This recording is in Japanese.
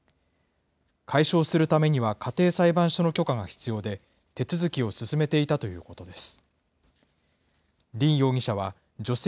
解消するためには家庭裁判所の許可が必要で、手続きを進めていたということです。